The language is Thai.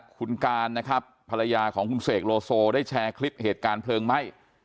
คุณการนะครับภรรยาของคุณเสกโลโซได้แชร์คลิปเหตุการณ์เพลิงไหม้